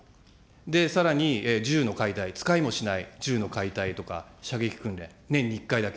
で、さらに、銃の解体、使いもしない銃の解体とか、射撃訓練、年に１回だけ。